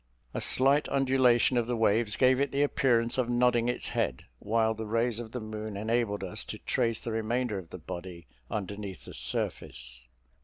A slight undulation of the waves gave it the appearance of nodding its head; while the rays of the moon enabled us to trace the remainder of the body underneath the surface.